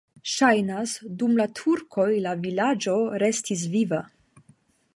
Ŝajnas, dum la turkoj la vilaĝo restis viva.